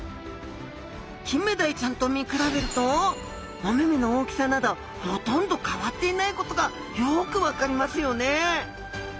キンメダイちゃんと見比べるとお目々の大きさなどほとんど変わっていないことがよく分かりますよね。